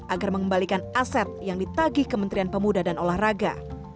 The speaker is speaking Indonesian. agar mengembalikan aset yang ditagih kementerian pemuda dan olahraga